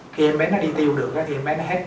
khi em bé nó đi tiêu được thì em mới nó hết